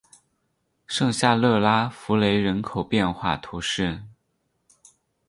圣夏勒拉福雷人口变化图示